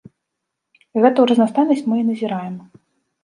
Гэту разнастайнасць мы і назіраем.